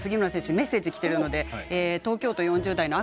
メッセージきているので東京都４０代の方。